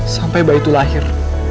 sampai bayi itu lahir